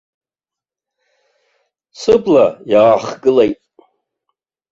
Сыбла иаахгылеит.